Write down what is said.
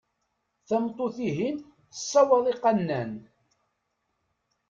Tameṭṭut-ihin tessawaḍ iqannan.